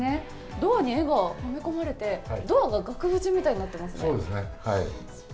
ドアに絵がはめこまれて、ドアが額縁みたいになっていますね。